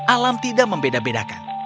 alam tidak membeda bedakan